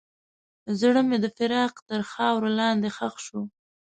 زړه مې د فراق تر خاورو لاندې ښخ شو.